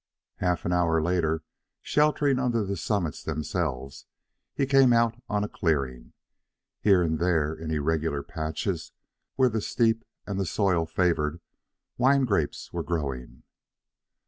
Half an hour later, sheltering under the summits themselves, he came out on a clearing. Here and there, in irregular patches where the steep and the soil favored, wine grapes were growing.